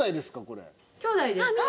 きょうだいですか？